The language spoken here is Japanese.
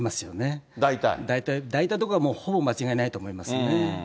大体？大体というか、ほぼ間違いないと思いますよね。